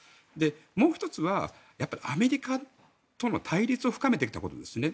もう１つはアメリカとの対立を深めてきたことですね。